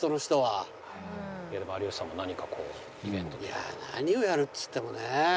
いや何をやるっつってもね。